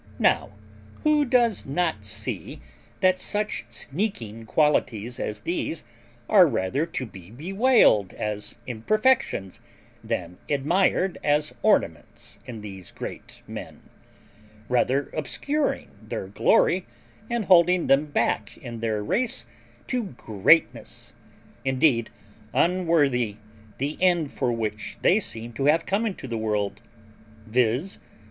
Now, who doth not see that such sneaking qualities as these are rather to be bewailed as imperfections than admired as ornaments in these great men; rather obscuring their glory, and holding them back in their race to greatness, indeed unworthy the end for which they seem to have come into the world, viz.